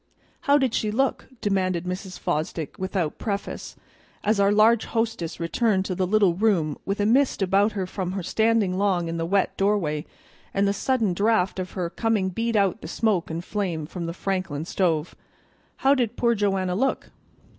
"How did she look?" demanded Mrs. Fosdick, without preface, as our large hostess returned to the little room with a mist about her from standing long in the wet doorway, and the sudden draught of her coming beat out the smoke and flame from the Franklin stove. "How did poor Joanna look?"